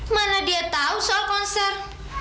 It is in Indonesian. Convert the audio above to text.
mana dia tahu soal konser